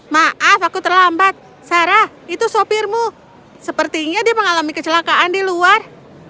maaf aku terlambat sarah itu sopirmu sepertinya dia mengalami kecelakaan di luar